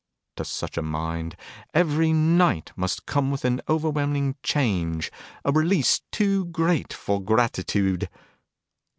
To such a mind every night must come with an overwhelming change, a release too great for gratitude.